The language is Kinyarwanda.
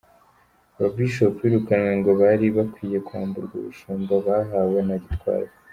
Aba Bishops birukanywe ngo bari bakwiye kwamburwa ubushumba bahawe na Gitwaza.